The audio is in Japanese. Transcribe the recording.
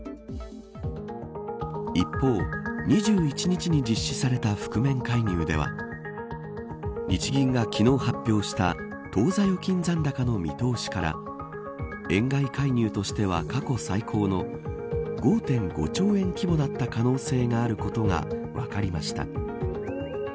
一方、２１日に実施された覆面介入では日銀が昨日発表した当座預金残高の見通しから円買い介入としては過去最高の５．５兆円規模だった可能性があることが分かりました。